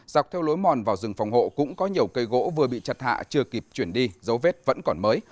dọc theo lối mòn vào rừng phòng hộ cũng có nhiều cây gỗ vừa bị chặt hạ chưa kịp chuyển đi dấu vết vẫn còn mới